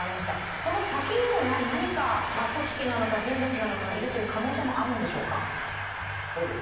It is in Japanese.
その先にもやはり何か、組織なのか人物がいるという可能性もあるんでしょうか。